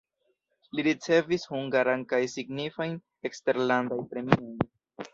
Li ricevis hungaran kaj signifajn eksterlandajn premiojn.